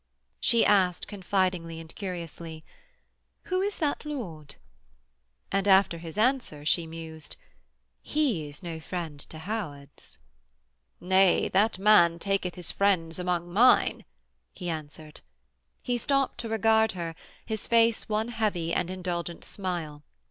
She asked, confidingly and curiously: 'Who is that lord?' and, after his answer, she mused, 'He is no friend to Howards.' 'Nay, that man taketh his friends among mine,' he answered. He stopped to regard her, his face one heavy and indulgent smile.